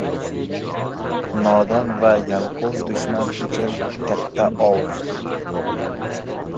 Nodon va yalqov — dushman uchun katta ov.